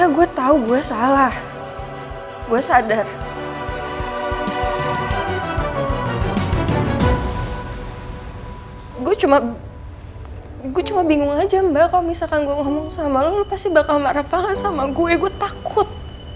gue cuma bingung aja mbak kalau misalkan gue ngomong sama lo lo pasti bakal marah banget sama gue gue takut